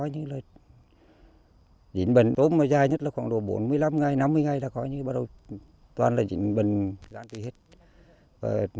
nói chung là dính bệnh tốt mà dài nhất là khoảng độ bốn mươi năm ngày năm mươi ngày là khó như bắt đầu toàn là dính bệnh gan tụy hết